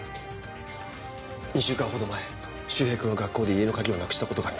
２週間ほど前周平君は学校で家の鍵をなくした事がありました。